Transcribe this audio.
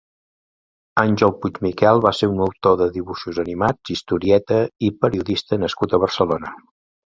Ángel Puigmiquel va ser un autor de dibuixos animats, historieta i periodista nascut a Barcelona.